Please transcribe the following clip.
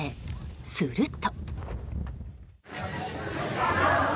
すると。